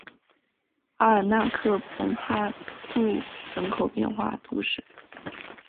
阿尔纳克蓬帕杜人口变化图示